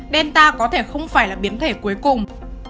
delta có thể không phải là biến thể cuối cùng